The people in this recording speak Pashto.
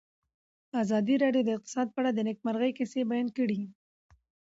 ازادي راډیو د اقتصاد په اړه د نېکمرغۍ کیسې بیان کړې.